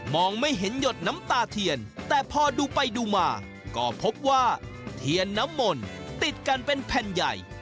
ไม่เห็นหยดน้ำตาเทียนแต่พอดูไปดูมาก็พบว่าเทียนน้ำมนต์ติดกันเป็นแผ่นใหญ่